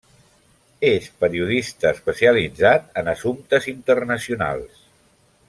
És periodista especialitzat en assumptes internacionals.